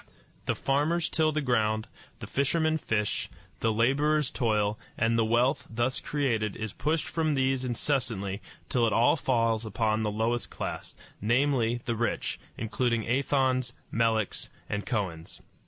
The farmers till the ground, the fishermen fish, the laborers toil, and the wealth thus created is pushed from these incessantly till it all falls upon the lowest class namely, the rich, including Athons, Meleks, and Kohens.